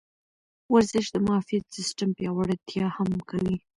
ورزش د معافیت سیستم پیاوړتیا هم کوي.